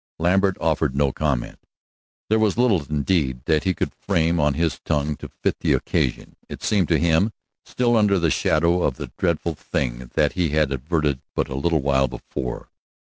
Lambert offered no comment. There was little, indeed, that he could frame on his tongue to fit the occasion, it seemed to him, still under the shadow of the dreadful thing that he had averted but a little while before.